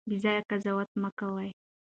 بې ځایه قضاوت مه کوئ.